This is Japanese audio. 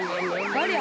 ありゃ！